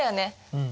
うん。